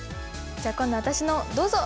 じゃ今度私のどうぞ！